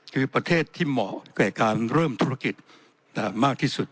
คือประเทศที่เหมาะกับการเริ่มธุรกิจมากที่สุด